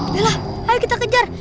bella ayo kita kejar